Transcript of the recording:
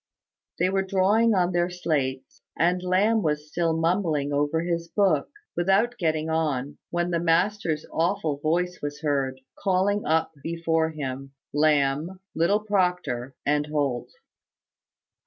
They were drawing on their slates, and Lamb was still mumbling over his book, without getting on, when the master's awful voice was heard, calling up before him Lamb, little Proctor, and Holt.